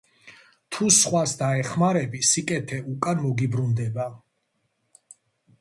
თუ სხვას დაეხმარები სიკეთე უკან მოგიბრუნდება.